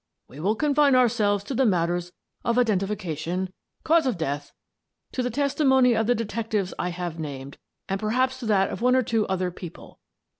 We will confine ourselves to the matters of identification, cause of death, to the testimony of the detectives I have named — and perhaps to that of one or two other people.